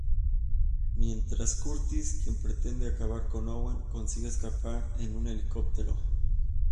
Mientras, Curtis, quien pretende acabar con Owen, consigue escapar en un helicóptero.